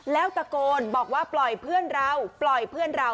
แล้วตะโกนบอกว่าปล่อยเพื่อนเราปล่อยเพื่อนเรา